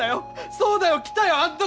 そうだよ来たよあん時！